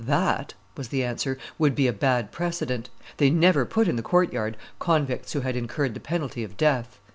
"That," was the answer, "would be a bad precedent; they never put in the court yard convicts who had incurred the penalty of death."